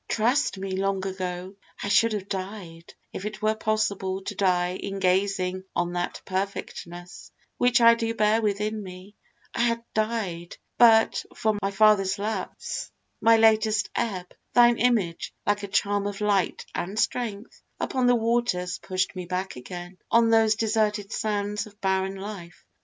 Trust me, long ago I should have died, if it were possible To die in gazing on that perfectness Which I do bear within me; I had died But from my farthest lapse, my latest ebb, Thine image, like a charm of light and strength Upon the waters, pushed me back again On these deserted sands of barren life.